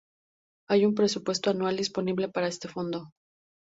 Hay un presupuesto anual disponible para este fondo.